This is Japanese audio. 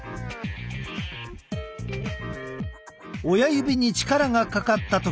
親指に力がかかった時。